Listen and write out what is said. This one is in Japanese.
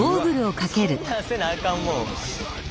そんなせなあかんもん？